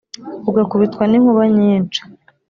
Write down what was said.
ugakubitwa ni nkuba nyinshi